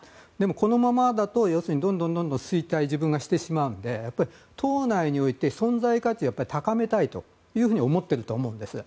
このままだと、どんどん自分が衰退してしまうので党内において存在価値を高めたいと思っていると思うんです。